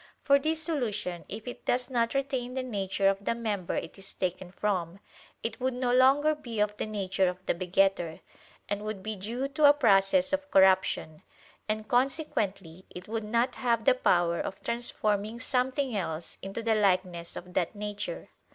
For this solution, if it does not retain the nature of the member it is taken from, it would no longer be of the nature of the begetter, and would be due to a process of corruption; and consequently it would not have the power of transforming something else into the likeness of that nature.